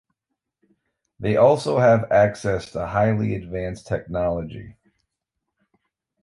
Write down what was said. They also have access to highly advanced technology.